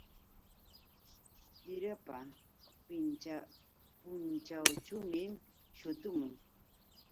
Chirapa punćhawćhuumi shutumun.